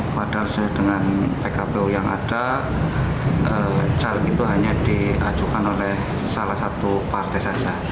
padahal sesuai dengan pkpu yang ada caleg itu hanya diajukan oleh salah satu partai saja